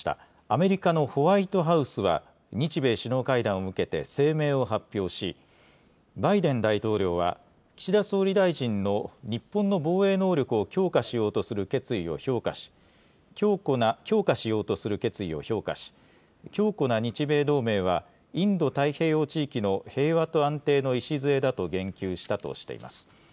アメリカのホワイトハウスは、日米首脳会談を受けて声明を発表し、バイデン大統領は岸田総理大臣の日本の防衛能力を強化しようとする決意を評価し、強化しようとする決意を評価し、強固な日米同盟は、インド太平洋地域の平和と安定の礎だと言及したとしています。